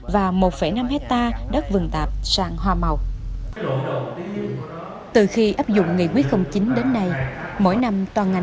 và một năm hectare đất vườn tạp sang hoa màu từ khi áp dụng nghị quyết chín đến nay mỗi năm toàn ngành